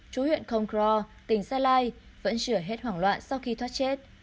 chú huyện khong kro tỉnh sai lai vẫn chữa hết hoảng loạn sau khi thoát chết